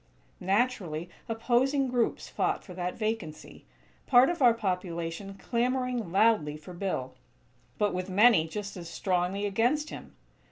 Naturally, opposing groups fought for that vacancy; part of our population clamoring loudly for Bill, but with many just as strongly against him.